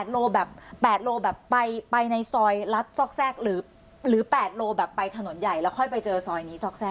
๘กิโลกรัมแบบไปในซอยรัฐซอกแซกหรือ๘กิโลกรัมแบบไปถนนใหญ่แล้วค่อยไปเจอซอยซอกแซก